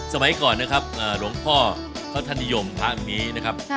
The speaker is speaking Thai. สมัยก่อนนะครับหลวงพ่อพระธนิยมทางนี้นะครับ